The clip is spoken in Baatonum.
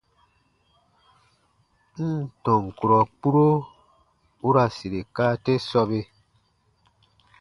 N ǹ tɔn kurɔ kpuro u ra sire kaa te sɔbe.